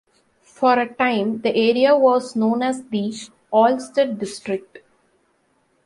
For a time the area was known as the "Olstead District".